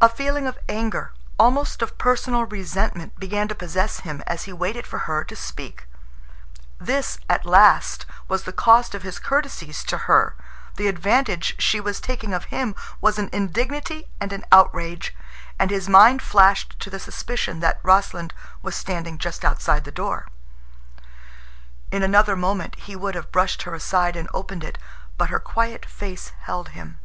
A feeling of anger, almost of personal resentment, began to possess him as he waited for her to speak. This, at last, was the cost of his courtesies to her, The advantage she was taking of him was an indignity and an outrage, and his mind flashed to the suspicion that Rossland was standing just outside the door. In another moment he would have brushed her aside and opened it, but her quiet face held him.